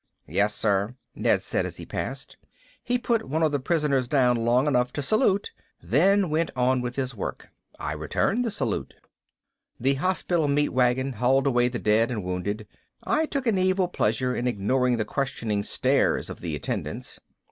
"Yes, sir," Ned said as he passed. He put one of the prisoners down long enough to salute, then went on with his work. I returned the salute. The hospital meat wagon hauled away the dead and wounded. I took an evil pleasure in ignoring the questioning stares of the attendants.